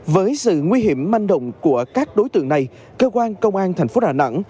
với sự nguy hiểm manh động của các đối tượng này cơ quan công an thành phố đà nẵng